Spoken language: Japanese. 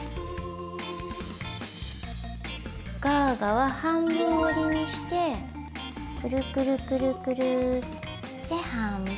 ガーガは半分折りにしてくるくるくるくるって半分。